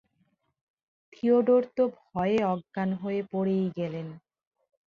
Theodore তো ভয়ে অজ্ঞান হয়ে পড়েই গেলেন।